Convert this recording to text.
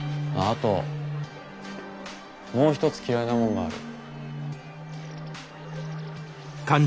あともう一つ嫌いなもんがある。